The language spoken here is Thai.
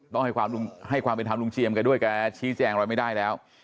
ต้องให้ความเป็นธรรมลุงเจียมแกด้วยแกชี้แจงอะไรไม่ได้แล้ว